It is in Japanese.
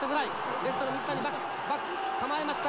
レフトの水谷バック、バック、構えました。